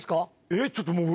えっちょっともう。